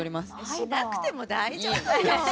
しなくても大丈夫よ。